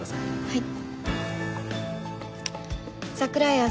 はい。